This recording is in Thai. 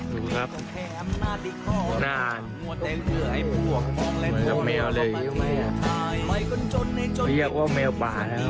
รูปครับหน้าแมวเลยเรียกว่าแมวป่าแล้ว